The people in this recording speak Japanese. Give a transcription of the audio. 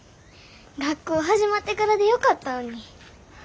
学校始まってからでよかったのに。